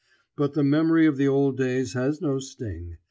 But the memory of the old days has no sting.